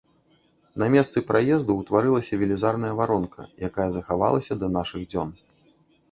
На месцы праезду ўтварылася велізарная варонка, якая захавалася да нашых дзён.